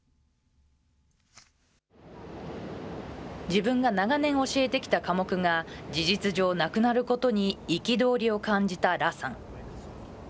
自分が長年教えてきた科目が、事実上なくなることに憤りを感じた羅さん。